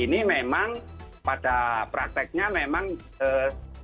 ini memang pada prakteknya memang cukup serius